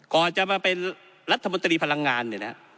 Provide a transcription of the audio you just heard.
ก่อนจะมาเป็นรัฐบริษัทพลังงาน